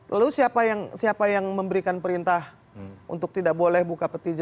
lalu siapa yang memberikan perintah untuk tidak boleh buka peti jenazah